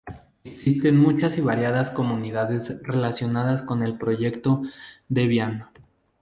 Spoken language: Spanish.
Existen muchas y variadas comunidades relacionadas con el Proyecto Debian.